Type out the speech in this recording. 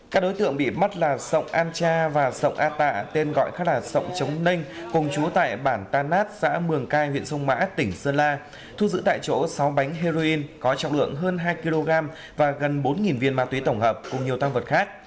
các đối tượng bị bắt là sọng an cha và sổng a tạ tên gọi khác là sọng trống ninh cùng chú tại bản ta nát xã mường cai huyện sông mã tỉnh sơn la thu giữ tại chỗ sáu bánh heroin có trọng lượng hơn hai kg và gần bốn viên ma túy tổng hợp cùng nhiều tăng vật khác